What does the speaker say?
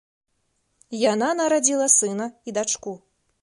Яна нарадзіла сына і дачку.